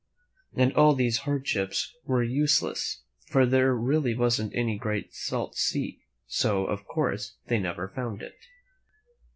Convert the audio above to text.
And all these hardships were useless, for there really wasn't any great salt sea; so, of course, they never found it.